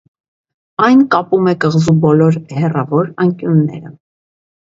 Այն կապում է կղզու բոլոր հեռավոր անկյունները։